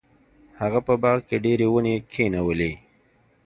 هغه په باغ کې ډیرې ونې کینولې.